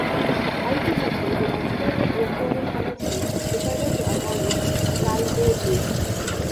Ultimately, the Australian Electoral Commission decided to abolish Kalgoorlie.